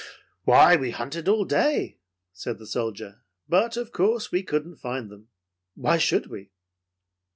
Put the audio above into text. "Why, we hunted all day," said the soldier, "but of course we couldn't find them. Why should we?"